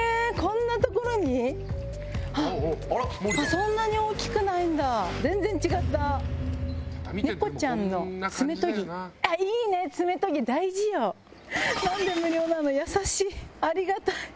そんなに大きくないんだ全然違った猫ちゃんの爪とぎあっいいね何で無料なの優しいありがたい